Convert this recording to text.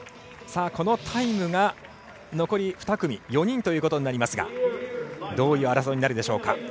このタイムが残り２組４人ということになりますがどういう争いになるでしょうか。